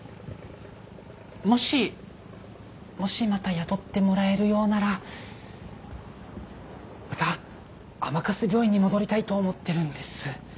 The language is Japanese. もしもしまた雇ってもらえるようならまた甘春病院に戻りたいと思ってるんです。